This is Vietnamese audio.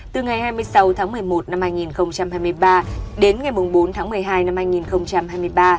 từ ngày hai mươi sáu tháng một mươi một năm hai nghìn hai mươi ba đến ngày bốn tháng một mươi hai năm hai nghìn hai mươi ba